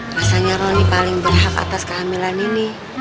rasanya lo nih paling berhak atas kehamilan ini